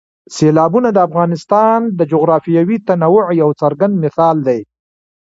سیلابونه د افغانستان د جغرافیوي تنوع یو څرګند مثال دی.